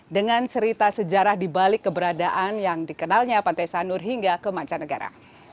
dengan cerita sejarah di balik keberadaan yang dikenalnya pantai sanur hingga ke mancanegara